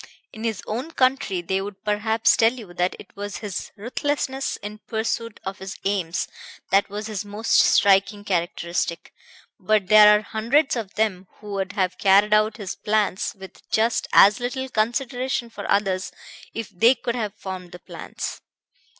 In his own country they would perhaps tell you that it was his ruthlessness in pursuit of his aims that was his most striking characteristic; but there are hundreds of them who would have carried out his plans with just as little consideration for others if they could have formed the plans.